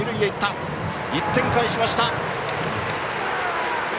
１点返しました！